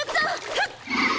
フッ！